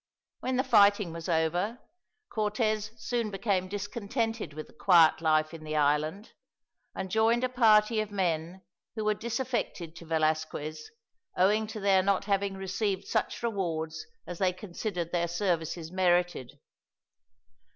When the fighting was over, Cortez soon became discontented with the quiet life in the island, and joined a party of men who were disaffected to Velasquez, owing to their not having received such rewards as they considered their services merited.